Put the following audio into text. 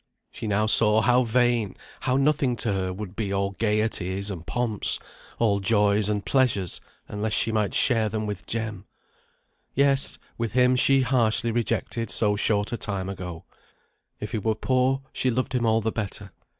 She now saw how vain, how nothing to her, would be all gaieties and pomps, all joys and pleasures, unless she might share them with Jem; yes, with him she harshly rejected so short a time ago. If he were poor, she loved him all the better.